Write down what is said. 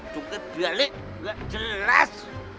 junket balik gak jelas